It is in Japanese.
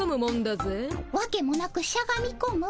わけもなくしゃがみこむ。